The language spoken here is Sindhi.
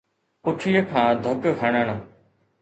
پٺيءَ کان ڌڪ هڻڻ